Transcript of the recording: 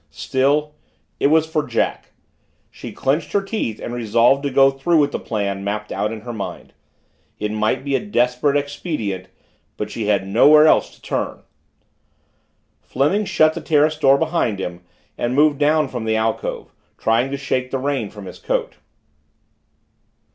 Still, it was for Jack! She clenched her teeth and resolved to go through with the plan mapped out in her mind. It might be a desperate expedient but she had nowhere else to turn! Fleming shut the terrace door behind him and moved down from the alcove, trying to shake the rain from his coat.